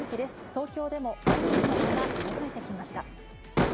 東京でも街路樹の葉が色づいてきました。